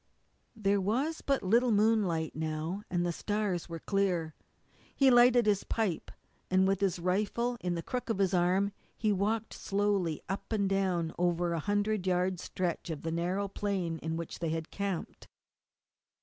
There was but little moonlight now, but the stars were clear. He lighted his pipe, and with his rifle in the crook of his arm he walked slowly up and down over a hundred yard stretch of the narrow plain in which they had camped.